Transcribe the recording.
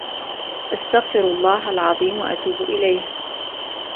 استغفر الله العظيم واتوب اليه